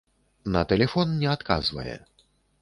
На тэлефон не адказвае.